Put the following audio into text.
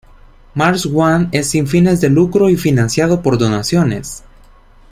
Mars One es sin fines de lucro y financiado por donaciones.